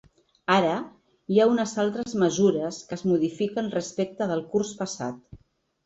Ara, hi ha unes altres mesures que es modifiquen respecte del curs passat.